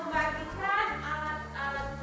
contoh dari bangunan